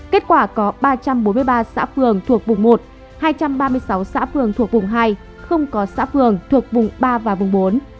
kết quả có ba trăm bốn mươi ba xã phường thuộc vùng một hai trăm ba mươi sáu xã phường thuộc vùng hai không có xã phường thuộc vùng ba và vùng bốn